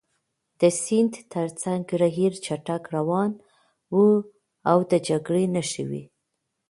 د سیند ترڅنګ ریل چټک روان و او د جګړې نښې وې